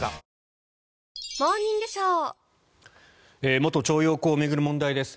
元徴用工を巡る問題です。